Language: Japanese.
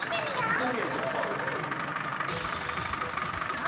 みてみようちょっと。